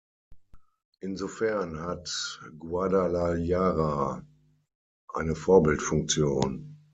Insofern hat Guadalajara eine Vorbildfunktion.